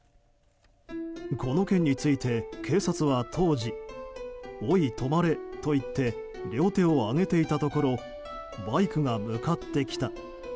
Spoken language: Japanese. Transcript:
この件について警察は当時おい止まれと言って両手を上げていたところバイクが向かってきた。